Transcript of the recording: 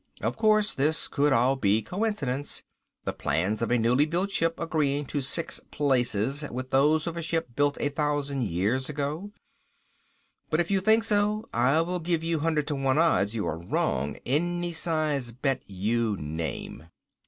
Of course, this could all be coincidence the plans of a newly built ship agreeing to six places with those of a ship built a thousand years ago. But if you think so, I will give you hundred to one odds you are wrong, any size bet you name."